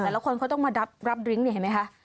คนเขาต้องมารับดริ้งนี่เห็นไหมคะ